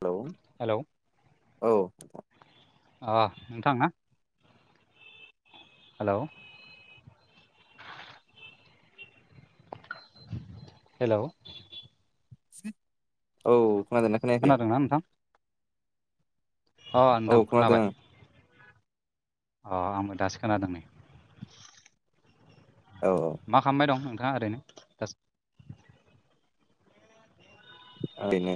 Hello hello औ अ नोंथां ना हेलौ हेलौ औ खोनादों ना खोनादों ना नोंथां अ औ नोंथां खोनादों खोनाबाय आं अ आंबो दासो खोनादों नै औ औ मा खालामबाय दं नोंथाङा ओरैनो दासो ओरैनो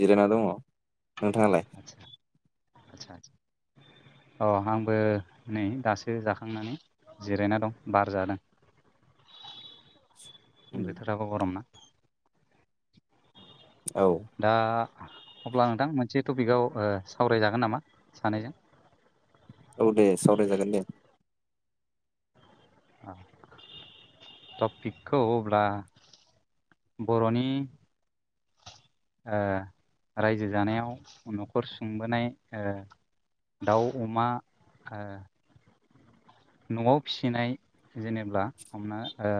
जिरायना दङ नोंथाङालाय आ आचसा आ अ आंबो नै दासो जाखांनानै जिरायना दं बार जादों उम बोथोराबो गरमना औ दा अब्ला नोंथां मोनसे टपिकआव ओ सावरायजागोन नामा सानैजों औ दे सावरायजागोन दे अ टपिकखौ अब्ला बर'नि ओ रायजो जानायाव न'खर सुंबोनाय दाउ अमा ओ न'आव फिसिनाय जेनेबा हमना ओ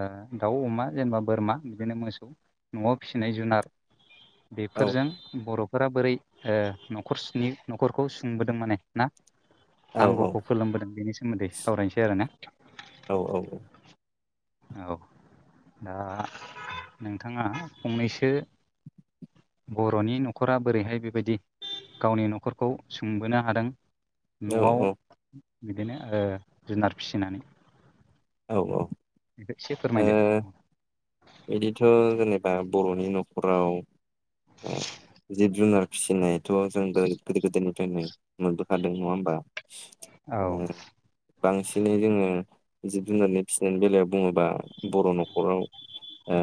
दाउ अमा जेनेबा बोरमा बिदिनो मोसौ न'आव फिसिनाय जुनार औ बेफोरजों बर'फोरा बोरै ओ न'खर सनि न'खरखौ सुंबोदों माने ना औ औ नांगौखौ फोलोमबोदों बेनि सोमोन्दै सावरायनोसै आरो ना औ औ औ औ दा नोंथांङा फंनैसो बर'नि न'खरा बोरैहाय बेबायदि गावनि न'खरखौ सोंबोनो हादों। औ न'आव औ बिदिनो ओ जुनार फिसिनानै औ औ बेखौ एसे फोरमायदो बिदिथ' जेनेबा बर'नि न'खराव जिब जुनार फिसिनायथ' जों गोदो गोदाय निफ्रायनो मोनबोखादों नंङा होमबा औ बांसिनै जोंङो जिब जुनारनि फिसिनायनि बेलायाव बुंङोब्ला बर' न'खराव ओ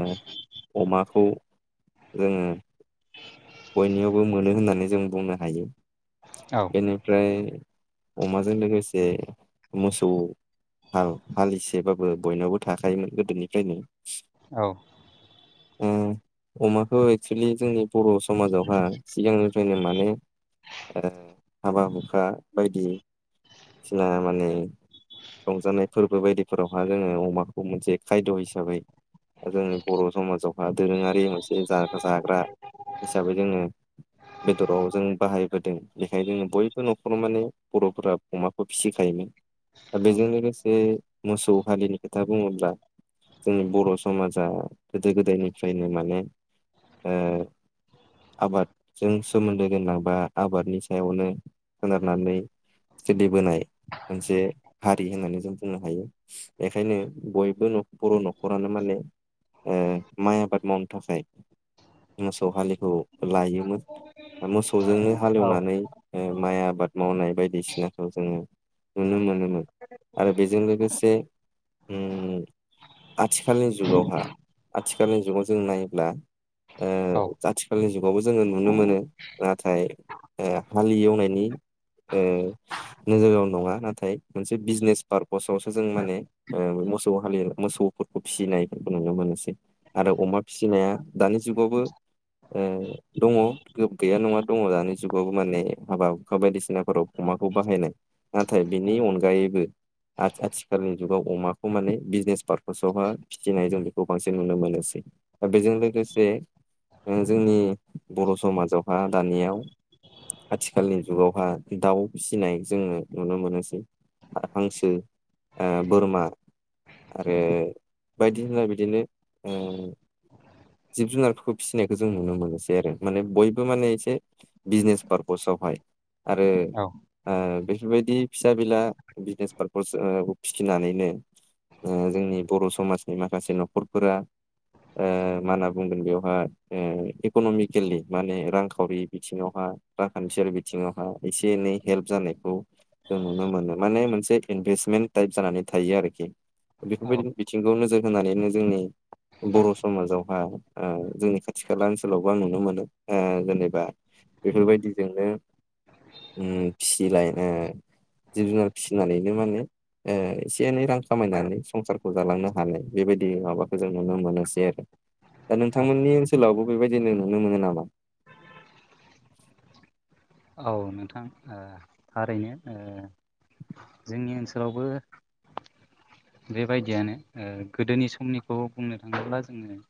अमाखौ जोंङो बयनियावबो मोनो होननानै जों बुंनो हायो। औ बेनिफ्राय अमाजों लोगोसे मोसौ हाल हालिसेबाबो बयनावबो थाखायोमोन गोदोनिफ्रायनो औ उम अमाखौ एक्सुलि जोंनि बर' समाजावहा सिगांनिफ्रायनो माने ओ हाबा हुखा बायदिसिना माने रंजानाय फोरबो बायदिफोरावहा जोंङो अमाखौ मोनसे खायद' हिसाबै जोंनि बर' समाजावहा दोरोंङारि मोनसे जाग्रा हिसाबै जोंङो बेदराव जों बाहायबोदों बेखायनो बयबो न'खराव माने बर'फोरा अमाखौ फिसिखायोमोन दा औ बेजों लोगोसे मोसौ हारिनि खोथा बुंङोब्ला जोंनि बर' समाजा गोदो गोदायनिफ्रायनो माने ओ आबादजों सोमोन्दो गोनां बा आबादनि सायावनो सोनारनानै सोलिबोनाय मोनसे हारि होननानै जों बुंनो हायो। बेखायनो बयबो बर' न'खरानो माने ओ माइ आबाद मावनो थाखाय मोसौ हालिखौ लायोमोन मोसौजोंनो औ हालेवनानै माइ आबाद मावनाय बायदिसिनाखौ जोंङो नुनो मोनोमोन आरो बेजों लोगोसे ओम आथिखालनि जुगावहा आथिखालनि जुगाव जों नायोब्ला ओ जाथि आथिखालनि जुगावबो जोंङो नुनो मोनो नाथाय हाल एवनायनि ओ नोजोराव नंङा नाथाय मोनसे बिजनेस पारपसावसो जों माने ओ मोसौ हाल मोसौफोरखौ फिसिनाय नुनो मोनसै आरो अमा फिसिनाया दानि जुगावबो ओ दंङो गैया नंङा दंङो दानि जुगाव माने हाबा हुखा बायदिसिना फोराव अमाखौ बाहायनाय नाथाय बिनि अनगायैबो आ आथिखालनि जुगाव अमाखौ माने बिजनेस पार्पासावहा फिथिनाय जों बेखौ बांसिन नुनो मोनोसै दा बेजों लोगोसे ओ जोंनि बर' समाजावहा दानियाव आथिखालनि जुगावहा दाउ फिसिनाय जोंङो नुनो मोनोसै हांसो ओ बोरमा आरो बायदिसिना बिदिनो ओ जिब जुनारफोरखौ फिसिनायखौ जों नुनो मोनोसै आरो माने बयबो माने एसे बिजनेस पारपसावहाय आरो औ ओ बेफोरबायदि फिसा बेला बिजनेस पारपस ओ फिसिनानैनो ओ जोंनि बर' समाजनि माखासे न'खरफोरा ओ मा होनना बुंगोन बेवहाय इक'न'मिकेलि माने रांखावरि बिथिङावहा रांखान्थियारि बिथिङावहा एसे एनै हेल्प जानायखौ जों नुनो मोनो माने मोनसे इनभेस्टमेन्ट टाइप जानानै थायो आरोखि औ औ बेफोरबायदिनो बिथिंखौ नोजोर होनानैनो जोंनि बर' समाजाव बा ओ जोंनि खाथि खाला ओनसोलावबो आं नुनो मोनो जेनेबा बेफोरबायदिजोंनो ओम फिसिलायनो जिब जुनार फिसिनानैनो मा होनो ओ एसे एनै रां खामायनानै संसारखौ जालांनो हानाय बेबायदि माबाखौ जों नुनो मोनोसै आरो दा औ नोंथांमोननि ओनसोलावबो बेबायदिनो नुनो मोनो नामा? औ नोंथां ओ थारैनो ओ जोंनि ओनसोलावबो बेबायदियानो गोदोनि समनिखौ बुंनो थाङोब्ला जोङो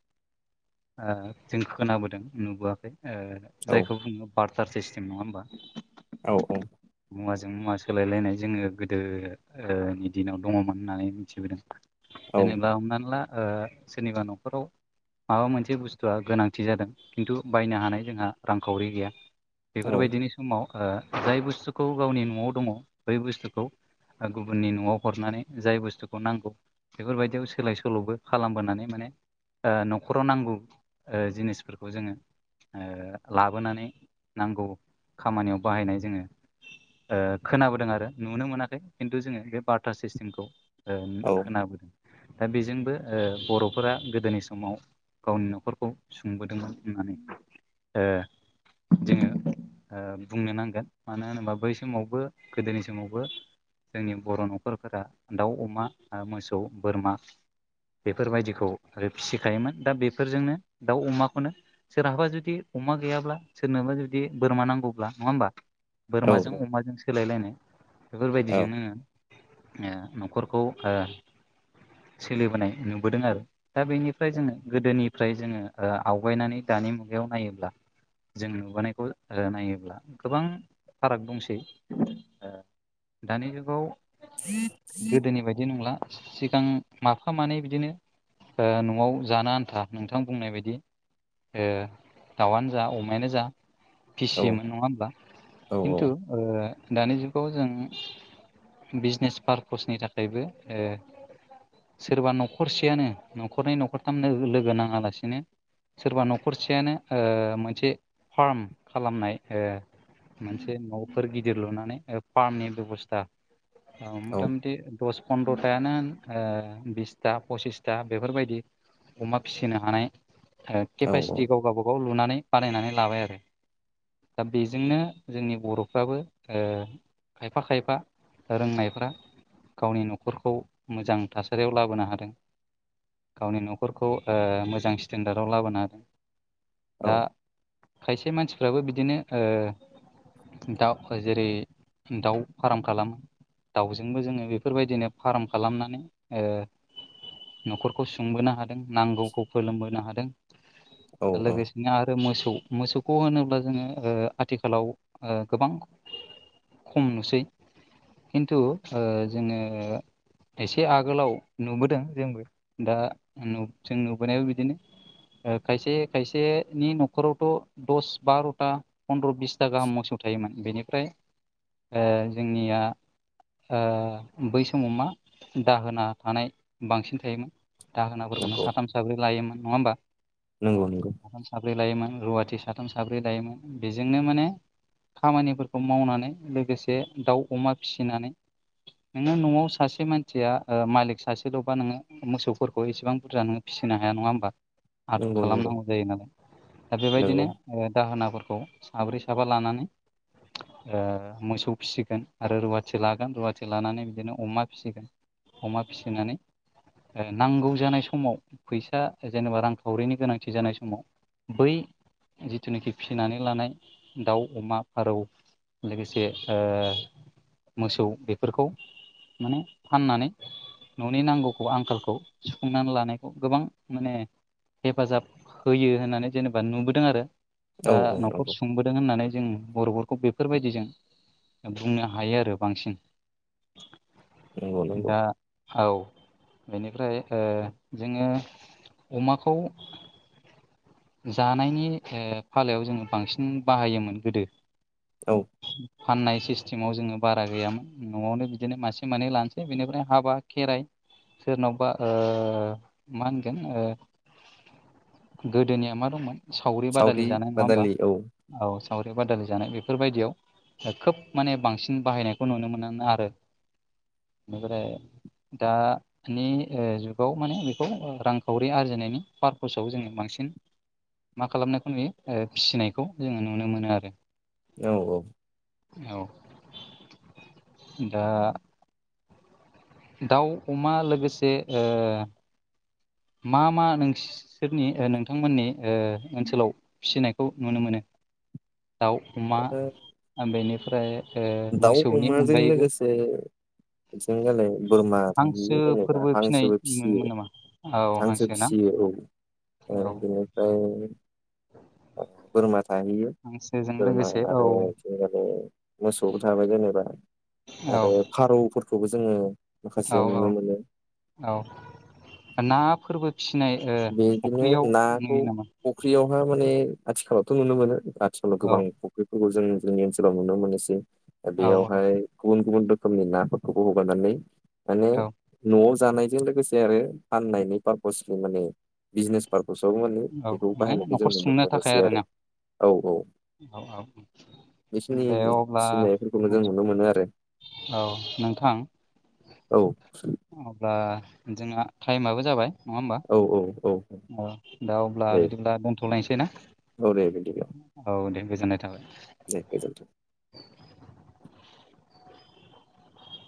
जों खोनाबोदों नुबोआखै औ जायखौ बुङो बारथार सिस्टेम नङा होमबा औ औ मुवाजों मुवा सोलायलायनाय जोङो गोदो नि दिनाव दङमोन होननानै मिथिबोदों औ जेनेबा हमनानै ला ओ सोरनिबा न'खराव माबा मोनसे बुस्थुआ गोनांथि जादों खिन्थु बायनो हानाय जोंहा रांखावरि गैया औ बेफोरबायदिनि समाव ओ जाय बुस्थुखौ गावनि न'आव दङ बै बुस्थुखौ ओ गुबुननि न'आव हरनानै जाय बुस्थुखौ नांगौ बेफोरबायदियाव सोलाय सोल'बो खालामबोनानै माने ओ न नखराव नांगौ ओ जिनिसफोरखौ जोङो लाबोनानै नांगौ खामानियाव बाहायनाय जोङो खोनाबोदों आरो नुनो मोनाखै खिन्थु जोङो बे बार्टा सिस्टेमखौ औ खोनाबोदों दा बेजोंबो बर'फोरा गोदोनि समाव गावनि न'खरखौ सुंबोदोंमोन होननानै जोङो बुंनो नांगोन मानो होनोबा बै समावबो गोदोनि समावबो जोंनि बर' न'खरफोरा दाउ अमा मोसौ बोरमा बेफोरबायदिखौ आरो फिसिखायोमोन दा बेफोरजोंनो दाउ अमाखौनो सोरहाबा जुदि अमा गैयाब्ला सोरनोबा जुदि बोरमा नांगौब्ला नङा होमबा औ बोरमाजों अमाजों सोलायलायनाय औ बेफोरबायदिजोंनो न'खरखौ सोलिबोनाय नुबोदों आरो दा बेनिफ्राय जोङो गोदोनिफ्राय जोङो आवगायनानै दानि मुगायाव नायोब्ला जों नुबोनायखौ नायोब्ला गोबां फाराग दंसै दानि जुगाव गोदोनि बायदि नंला सिगां माफा मानै बिदिनो न'आव जानो आन्था नोंथां बुंनाय बायदि दाउआनो जा अमायानो जा औ फिसियोमोन नङा होमब्ला खिन्थु दानि जुगाव जों बिजनेस पारपसनि थाखायबो सोरबा न'खरसेयानो न'खरनै न'खरथाम लोगो नाङालासिनो सोरबा न'खरसेयानो मोनसे फार्म खालामनाय मोनसे न'फोर गिदिर लुनानै फार्मनि बेब'स्था मथा मथि दस फन्द्रथायानो होन बिसथा पसिसथा बेफोरबायदि अमा फिसिनो हानाय केपासिटि गाव गावबागाव लुनानै बानायनानै लाबाय आरो दा बेजोंनो जोंनि बर'फ्राबो ओ खायफा खायफा रोंनायफ्रा गावनि न'खरखौ मोजां थासारियाव लाबोनो हादों गावनि न'खरखौ ओ मोजां स्टेन्डार्डाव लाबोनो हादों औ दा खायसे मानसिफ्राबो बिदिनो ओ दा जेरै दाउ फार्म खालामो दाउजोंबो जोङो बेफोरबायदिनो फार्म खालामनानै न'खर सोंबोनो हादों नांगौखौ फोरोंबोनो हादों औ औ लोगोसे आरो मोसौ मोसौखौ होनोब्ला जोङो आथिखालाव गोबां खम नुसै खिन्थु ओ जोङो एसे आगोलाव नुबोदों जोंबो दा जों नुबोनायाबो बिदिनो खायसे खायसेनि न'खरावथ दस बार'था फन्द्र बिसथा गाहाम मोसौ थायोमोन बेनिफ्राय जोंनिया बै समाव मा दाहोना थानाय बांसिन थायोमोन दाहोनाफोरखौनो नंगौ साथाम साब्रै लायोमोन नङा होमबा नंगौ नंगौ साथाम साब्रै लायोमोन रुवाथि साथाम साब्रै लायोमोन बेजोंनो माने खामानिफोरखौ मावनानै लोगोसे दाउ अमा फिसिनानै नोङो न'आव सासे मानसिया मालिक सासेल'बा नोङो मोसौ फोरखौ एसेबां बुरजा नों फिसिनो हाया नङा होमबा आदर नंगौ नंगौ खालामनांगौ जायो नालाय दा बेबायदिनो नंगौ दाहोनाफोरखौ साब्रै साबा लानानै ओ मोसौ फिसिगोन आरो रुवाथि लागोन रुवाथि लानानै बिदिनो अमा फिसिगोन अमा फिसिनानै नांगौ जानाय समाव फैसा जेनेबा रांखावरिनि गोनांथि जानाय समाव बै जिथुनाखि फिसिनानै लानाय दाउ अमा फारौ लोगोसे ओ मोसौ बेफोरखौ माने फाननानै न'नि नांगौखौ आंखालखौ खौ सुफुंनानै लानायखौ गोबां माने हेफाजाब होयो होननानै जेनेबा नुबोदों आरो औ दा औ न'खर नंगौ सुंबोदों होननानै जों बर'फोरखौ बेफोरबायदिजों बुंनो हायो आरो बांसिन नंगौ नंगौ दा औ बेनिफ्राय ओ जोङो अमाखौ जानायनि फालायाव जोङो बांसिन बाहायोमोन गोदो औ फाननाय सिस- टिमाव जोङो बारा गैयामोन न'आवनो बिदिनो मासे मानै लानोसै बेनिफ्राय हाबा खेराइ सोरनावबा ओ मा होनगोन ओ गोदोनिया मा दंमोन सावरि बादालि जानाय नङा होमबा बादालि औ औ सावरि बादालि जानाय बेफोरबायदियाव खोब माने बांसिन बाहायनायखौ नुनो मोनो आरो बेनिफ्राय दा मानि ओ जुगाव माने बेखौ रांखावरि आरजिनायनि पारपसाव जोङो बांसिन मा खालामनायखौ नुयो फिसिनायखौ जोङो नुनो मोनो आरो औ औ औ दा दाउ अमा लोगोसे मा मा नोंसि सोरनि नोंथांमोननि ओनसोलाव फिसिनायखौ नुनो मोनो दाउ अमा बेनिफ्राय ओ दाउ मोसौनि अमाजों अनगायैबो लोगोसे बिथिं गालै बोरमा बिदिनो जेनेबा हांसोफोरबो फिनाय हांसोबो फिसियो नुनोमोन नामा? औ हांसो ना फिसियो औ औ बेनिफ्राय बोरमा थाहैयो हांसोजों बोरमा लोगोसे औ आरो माने मोसौबो थाबाय जेनेबा औ आरो फारौफोरखौबो जोङो औ माखासेयाव नुनो मोनो औ औ ना फोरबो फिनाय फुख्रियाव नुयो नामा फख्रियावहा माने आथिखालावथ' नुनो मोनो आथिखालाव औ गोबां बेफोरखौ जों जोंनि ओनसोलाव नुनो मोनोसै दा औ बेयावहाय गुबुन गुबुन रोखोमनि ना फोरखौबो हगारनानै माने औ न'आव जानायजों लोगोसे आरो फाननायनि पारपसबो माने बिजनेस पार्पासावबो माने औ बेखौ माने बाहायनायखौ न'खर जों नुनो मोन सुंनो थाखाय मोनासै आरोना आरो औ औ औ औ बेखिनि दे अब्ला फिसिनायफोरखौनो जों नुनो मोनो आरो औ नोंथां औ अब्ला जोंना टाइमआबो जाबाय नङा होमबा औ औ औ औ दा अब्ला दे बिदिब्ला दोनथ'लायसै ना औ दे बिदिब्ला औ दे गोजोननाय थाबाय दे गोजोनथों